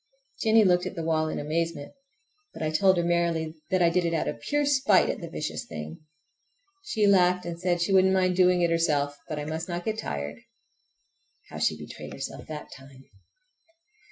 Jennie looked at the wall in amazement, but I told her merrily that I did it out of pure spite at the vicious thing. She laughed and said she wouldn't mind doing it herself, but I must not get tired. How she betrayed herself that time!